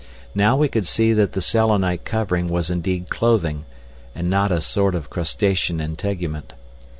Now we could see that the Selenite covering was indeed clothing, and not a sort of crustacean integument.